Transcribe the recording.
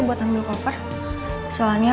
enak banget ya pikirannya